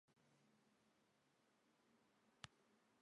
Mae'r haenau mewnol yn cynnwys y mater gwyn, a'r ganglia sylfaenol.